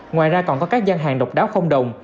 ngoài ra còn có các gian hàng độc đáo không đồng